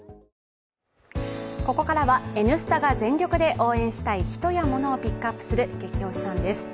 ここからは「Ｎスタ」が全力で応援したいヒトやモノをピックアップするゲキ推しさんです。